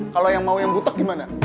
kalau yang mau yang butek gimana